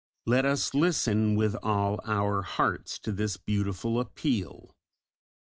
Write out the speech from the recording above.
Let us listen with all our hearts to this beautiful appeal.